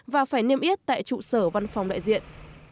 và phải niêm yết tại trụ sở văn phòng đại diện